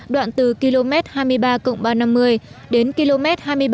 đoạn từ km hai mươi ba ba trăm năm mươi đến km hai mươi ba bốn trăm năm mươi